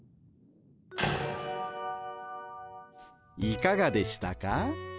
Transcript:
いかがでしたか？